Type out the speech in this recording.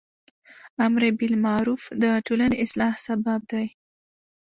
امر بالمعروف د ټولنی اصلاح سبب دی.